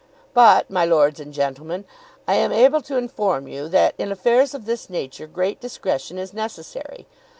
But, my Lords and Gentlemen, I am able to inform you that in affairs of this nature great discretion is necessary.